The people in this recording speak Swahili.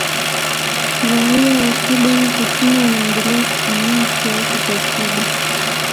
raia wa sudan kusini wanaendelea kutumia haki yao kikatiba